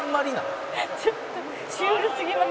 「ちょっとシュールすぎます。